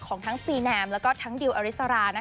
ของทั้งซีแนมแล้วก็ทั้งดิวอริสรา